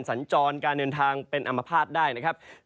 สัญจรการเดินทางเป็นอัมพาตได้นะครับ